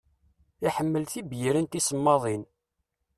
Iḥemmel tibyirin tisemmaḍin.